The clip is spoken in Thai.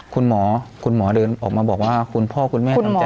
คุณหมอคุณหมอเดินออกมาบอกว่าคุณพ่อคุณแม่ทำใจ